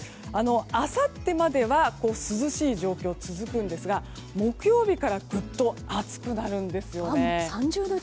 あさってまでは涼しい状況が続くんですが木曜日からぐっと暑くなるんですよね。